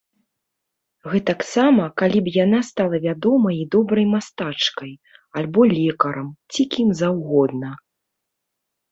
Гэтаксама, калі б яна стала вядомай і добрай мастачкай, альбо лекарам, ці кім заўгодна!